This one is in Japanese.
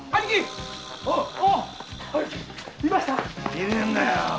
いねえんだよ。